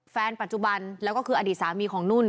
แฟนปัจจุบันแล้วก็คืออดีตสามีของนุ่น